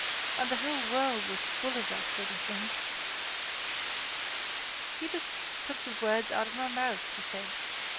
And the whole world was full of that sort of thing. —You just took the words out of my mouth, he said.